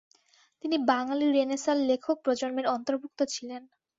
তিনি বাঙালি রেনেসাঁর লেখক প্রজন্মের অন্তর্ভুক্ত ছিলেন।